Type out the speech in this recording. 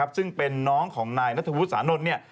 ซึ่งเป็นน้องของนายนัทวุฒิสานนท์